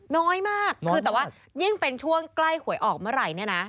น้อยมากคือแต่ว่ายิ่งเป็นช่วงใกล้หวยออกเมื่อไหร่เนี่ยนะ